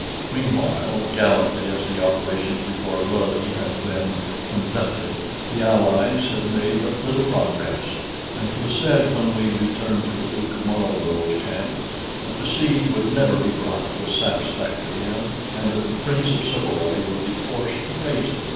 Meanwhile, gallantly as the operations before Lille had been conducted, the Allies had made but little progress, and 'twas said when we returned to the Duke of Marlborough's camp, that the siege would never be brought to a satisfactory end, and that the Prince of Savoy would be forced to raise it.